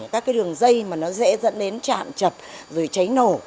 các cái đường dây mà nó dễ dẫn đến chạm chập rồi cháy nổ